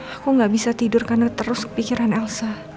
aku gak bisa tidur karena terus kepikiran elsa